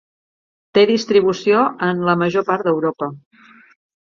Té distribució en la major part d'Europa.